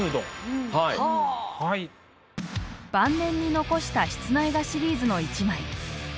晩年に残した室内画シリーズの一枚。